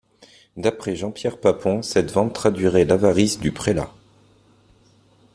D'après Jean-Pierre Papon, cette vente traduirait l'avarice du prélat.